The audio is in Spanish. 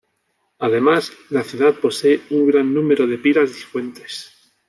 Además, la ciudad posee un gran número de pilas y fuentes.